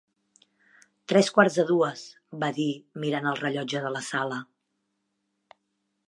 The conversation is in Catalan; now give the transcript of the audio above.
"Tres quarts de dues", va dir, mirant el rellotge de la sala.